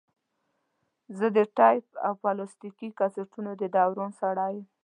زه د ټیپ او پلاستیکي کسټونو د دوران سړی یم.